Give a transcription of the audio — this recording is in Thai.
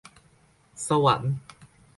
สวรรค์